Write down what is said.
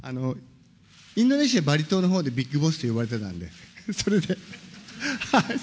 インドネシア・バリ島のほうでビッグボスと呼ばれてたんで、それで。